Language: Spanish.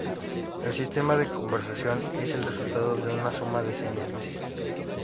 El sistema de conversión es el resultado de una suma de señales.